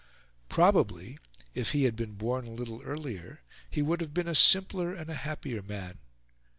Probably, if he had been born a little earlier, he would have been a simpler and a happier man.